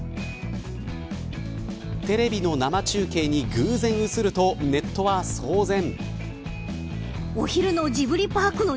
テレビの生中継に偶然映ると、ネットは騒然。